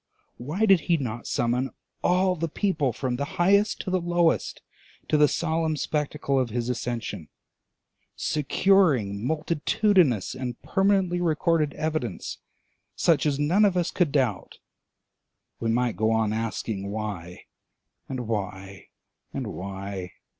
Why did he not summon all the people from the highest to the lowest to the solemn spectacle of his ascension, securing multitudinous and permanently recorded evidence such as none of us could doubt? We might go on asking Why? and Why? and Why?